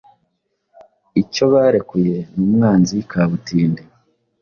Icyo barekuye ni umwanzi kabutindi